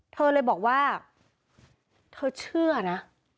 เธอเลยบอกว่าเธอเชื่อนะ